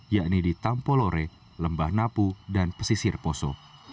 yakni di tampolore lembah napu dan pesisir poso